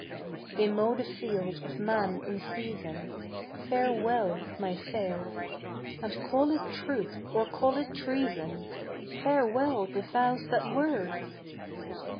"They mow the field of man in season: Farewell, my fair, And, call it truth or call it treason, Farewell the vows that were."